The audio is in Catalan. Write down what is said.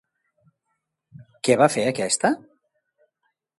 Què va fer aquesta?